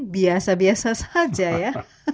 biasa biasa saja ya